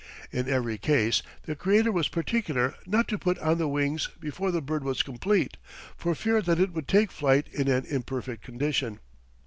In every case, the Creator was particular not to put on the wings before the bird was complete, for fear that it would take flight in an imperfect condition.